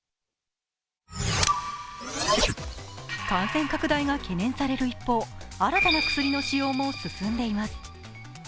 感染拡大が懸念される一方、新たな薬の使用も進んでいます。